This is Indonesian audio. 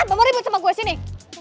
abang meribut sama gue sini